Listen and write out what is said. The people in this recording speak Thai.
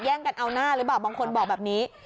กันเอาหน้าหรือเปล่าบางคนบอกแบบนี้